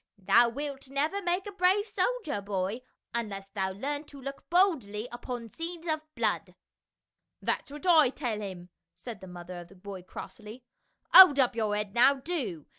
Thou wilt never make a brave soldier, 268 FA UL. boy, unless thou learn to look boldly upon scenes of blood." " That's what I tell him," said the mother of the boy crossly. " Hold up your head now, do